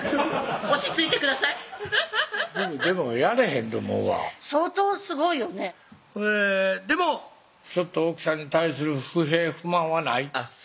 落ち着いてくださいでもやれへんと思うわ相当すごいよねでもちょっと奥さんに対する不平不満はない？